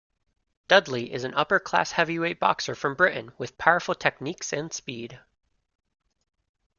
Dudley is an upper class heavyweight boxer from Britain with powerful techniques and speed.